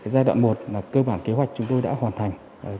giai đoạn một là cơ bản kế hoạch chúng tôi đã hoàn thành